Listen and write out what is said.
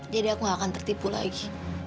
jadi aku gak akan tertipu lagi